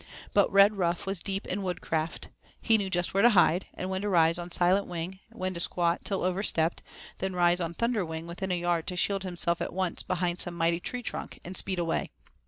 But Redruff was deep in woodcraft. He knew just where to hide, and when to rise on silent wing, and when to squat till overstepped, then rise on thunder wing within a yard to shield himself at once behind some mighty tree trunk and speed away.